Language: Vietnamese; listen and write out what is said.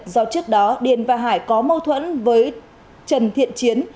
do trước đó điền và hải có mâu thuẫn với trần thiện chiến